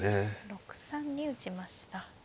６三に打ちました。